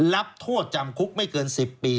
รับโทษจำคุกไม่เกิน๑๐ปี